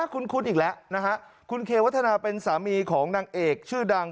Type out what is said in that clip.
คุ้นอีกแล้วนะฮะคุณเควัฒนาเป็นสามีของนางเอกชื่อดัง